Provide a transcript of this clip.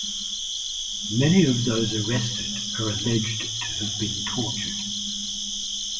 Many of those arrested are alleged to have been tortured.